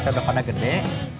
kita udah pada gede